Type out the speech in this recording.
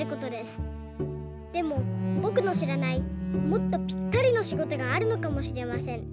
でもぼくのしらないもっとぴったりのしごとがあるのかもしれません。